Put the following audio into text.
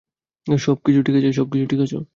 সবকিছু ঠিক আছো।